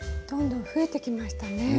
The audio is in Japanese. どんどん増えてきましたね。